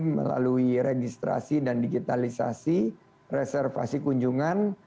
melalui registrasi dan digitalisasi reservasi kunjungan